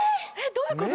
どういうこと？